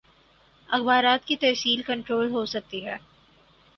اخبارات کی ترسیل کنٹرول ہو سکتی ہے۔